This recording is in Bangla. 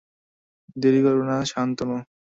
দেরী করবে না, শান্তনু।